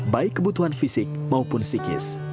baik kebutuhan fisik maupun psikis